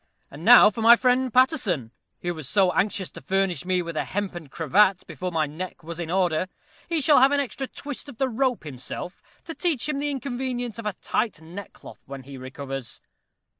And now for my friend Paterson, who was so anxious to furnish me with a hempen cravat, before my neck was in order, he shall have an extra twist of the rope himself, to teach him the inconvenience of a tight neckcloth when he recovers."